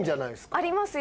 ありますよ